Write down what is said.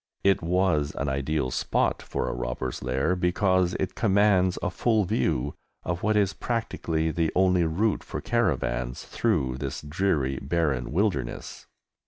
It was an ideal spot for a robber's lair, because it commands a full view of what is practically the only route for caravans through this dreary barren wilderness.